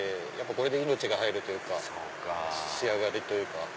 これで命が入るというか仕上がりというか。